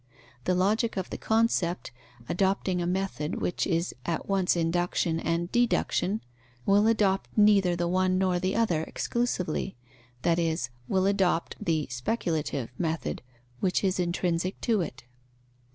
The Logic of the concept, adopting a method which is at once induction and deduction, will adopt neither the one nor the other exclusively, that is, will adopt the (speculative) method, which is intrinsic to it.